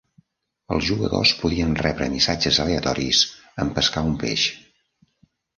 Els jugadors podien rebre missatges aleatoris en pescar un peix.